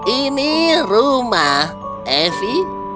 ini rumah evi